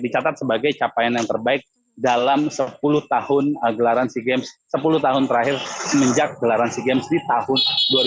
dicatat sebagai capaian yang terbaik dalam sepuluh tahun gelaran sea games sepuluh tahun terakhir semenjak gelaran sea games di tahun dua ribu dua puluh